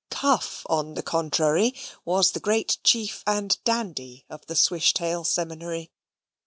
Cuff, on the contrary, was the great chief and dandy of the Swishtail Seminary.